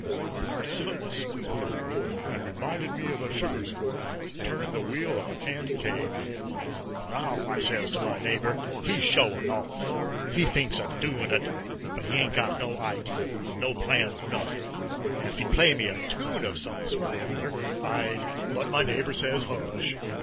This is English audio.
Parts of it was sweet, though, and reminded me of a sugar squirrel turnin' the wheel of a candy cage. "Now," I says to my neighbor, "he's showin' off. He thinks he's a doin' of it, but he ain't got no idee, no plan of nothin'. If he'd play me a tune of some kind or other, I'd " But my neighbor says, "Heish!"